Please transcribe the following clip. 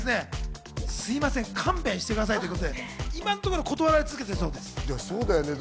すいません、勘弁してくださいということで断られ続けているそうです。